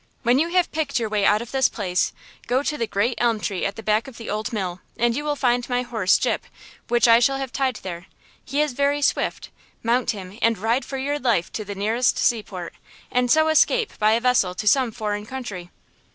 When you have picked your way out of this place, go to the great elm tree at the back of the old mill, and you will find my horse, Gyp, which I shall have tied there. He is very swift. Mount him and ride for your life to the nearest seaport, and so escape by a vessel to some foreign country.